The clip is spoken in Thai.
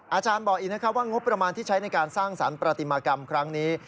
อาจารย์บอกอีกนะครับว่างบประมาณที่ใช้ในการสร้างสรรค์ประติมากรรมครั้งนี้